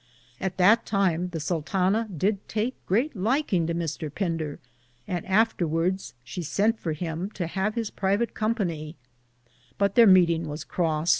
^ At that time the Sultana did Take greate lykinge to Mr. Finder, and after wardes she sente for him to have his private companye, but there meetinge was croste.